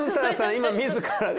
今自らが。